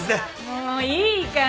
もういいから。